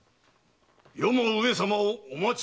余も上様をお待ち